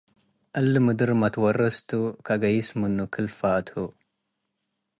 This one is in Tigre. እሊ ምድር መትወርስ ቱ ከገይስ ምኑ ክል ፋትሁ